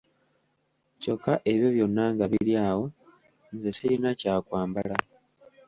Kyokka ebyo byonna nga biri awo, nze sirina kyakwambala.